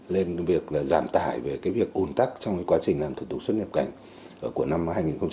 lên việc giảm tải về việc ồn tắc trong quá trình làm thủ tục xuất nhập cảnh của năm hai nghìn hai mươi ba